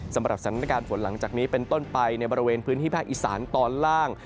สำหรับสถานการณ์ฝนหลังจากนี้เป็นต้นไปในบริเวณพื้นที่ภาคอีสานตอนล่าง